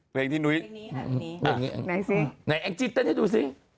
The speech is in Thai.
เพลงที่หนุ้ย